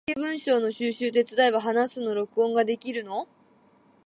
どんだけ文章の収集手伝えば話すの録音ができるの？